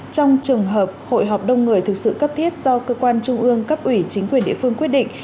trong trường hợp hội họp đông người thực sự cấp thiết do cơ quan trung ương cấp ủy chính quyền địa phương quyết định